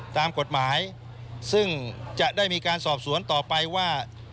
ตามกฎหมายซึ่งจะได้มีการสอบสวนต่อไปว่า